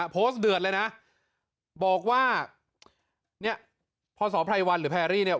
เดือดเลยนะบอกว่าเนี่ยพศไพรวันหรือแพรรี่เนี่ย